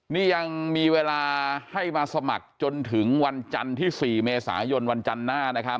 นี่ยังมีเวลาให้มาสมัครจนถึงวันจันทร์ที่๔เมษายนวันจันทร์หน้านะครับ